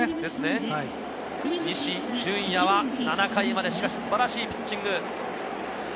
西純矢は７回まで素晴らしいピッチング。